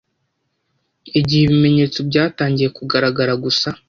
igihe ibimenyetso byatangiye kugaragara gusa